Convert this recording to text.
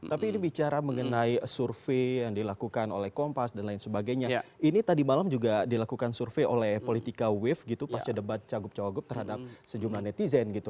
tapi ini bicara mengenai survei yang dilakukan oleh kompas dan lain sebagainya ini tadi malam juga dilakukan survei oleh politika wave gitu pasca debat cagup cawagup terhadap sejumlah netizen gitu